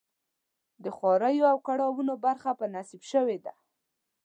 د خواریو او کړاوونو برخه په نصیب شوې ده.